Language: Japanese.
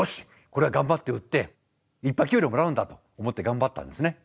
これは頑張って売っていっぱい給料をもらうんだと思って頑張ったんですね。